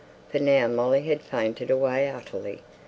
for now Molly had fainted away utterly.